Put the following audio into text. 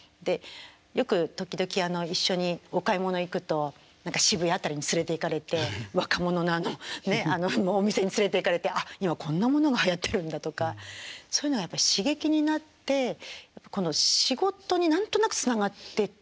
よく時々一緒にお買い物行くと渋谷辺りに連れていかれて若者のお店に連れていかれて今こんなものがはやってるんだとかそういうのはやっぱ刺激になってこの仕事に何となくつながってってはいると思いますね。